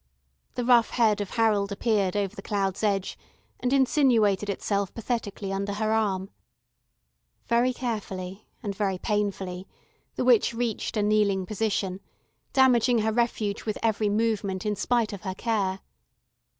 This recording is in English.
The rough head of Harold appeared over the cloud's edge, and insinuated itself pathetically under her arm. Very carefully and very painfully the witch reached a kneeling position, damaging her refuge with every movement in spite of her care.